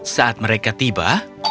saat mereka tiba